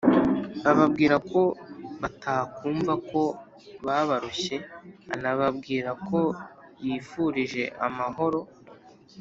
ababwira ko batakumva ko babaroshye anababwira ko yifurije amahoro